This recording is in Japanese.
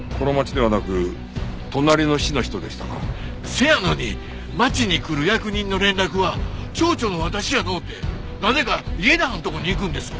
せやのに町に来る役人の連絡は町長の私やのうてなぜか伊江田はんとこにいくんですわ。